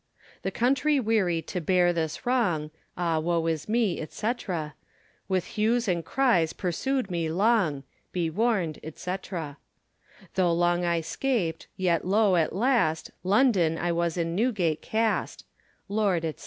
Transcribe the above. The country weary to beare this wronge, Ah woe is me, &c. With huse and cries pursude me long, Be war, &c. Though long I scapt, yet loe at last, London, I was in Newgate cast. Lord, &c.